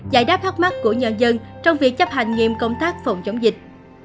giải đáp thắc mắc của nhân dân trong việc chấp hành nghiêm công tác phòng chống dịch